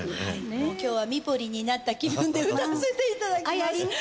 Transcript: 今日はミポリンになった気分で歌わせていただきます。